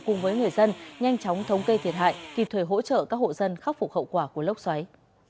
cùng với người dân nhanh chóng thống kê thiệt hại kịp thời hỗ trợ các hộ dân khắc phục hậu quả của lốc xoáy